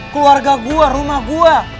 keluarga gue rumah gue